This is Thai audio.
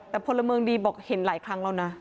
แต่พลเมืองดีบอกเห็นหลายครั้งแล้วนะ